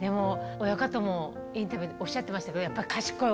親方もインタビューでおっしゃってましたけど。